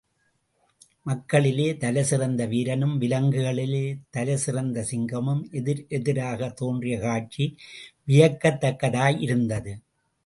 மக்களிலே தலைசிறந்த வீரனும், விலங்குகளிலே தலைசிறந்த சிங்கமும் எதிர் எதிராகத் தோன்றியக் காட்சி வியக்கத்தக்கதாயிருந்தது.